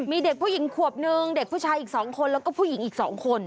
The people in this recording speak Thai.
มีเด็กผู้หญิงขวบนึงเด็กผู้ชายอีก๒คนแล้วก็ผู้หญิงอีก๒คน